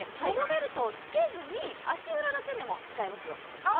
ベルトを着けずに足裏だけでも使えますよああ